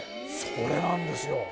それなんですよ。